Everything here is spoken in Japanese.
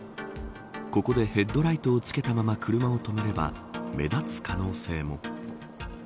ここでヘッドライトをつけたまま車を止めれば目立つ可能性も。